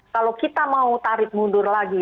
kalau kita mau tarik mundur lagi